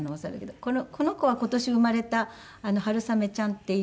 この子は今年生まれたハルサメちゃんっていう。